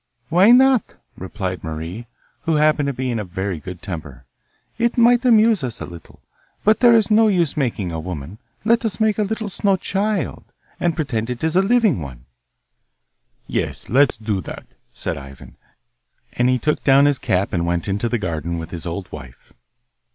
'Why not?' replied Marie, who happened to be in a very good temper; 'it might amuse us a little. But there is no use making a woman. Let us make a little snow child, and pretend it is a living one.' 'Yes, let us do that,' said Ivan, and he took down his cap and went into the garden with his old wife.